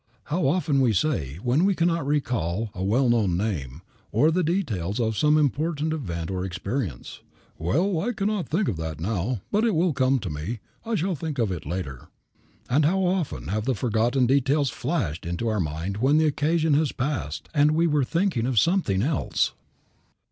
How often we say, when we cannot recall a well known name, or the details of some important event or experience, "Well, I cannot think of that now, but it will come to me; I shall think of it later." And how often have the forgotten details flashed into our mind when the occasion had passed and we were thinking of something else.